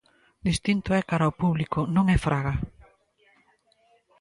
Distinto é cara ao público, non é Fraga.